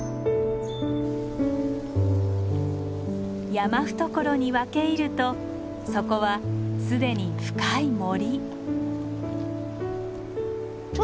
山懐に分け入るとそこは既に深い森。